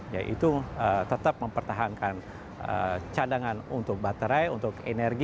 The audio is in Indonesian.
yaitu tetap mempertahankan cadangan untuk baterai untuk energi